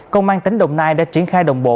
công an tỉnh đồng nai đã triển khai đồng bộ